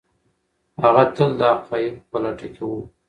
هغه تل د حقایقو په لټه کي و.